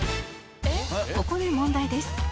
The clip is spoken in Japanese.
「ここで問題です」